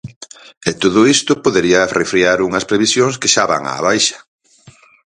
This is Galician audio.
E todo isto podería arrefriar unhas previsións que xa van á baixa.